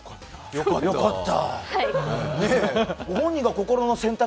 よかった。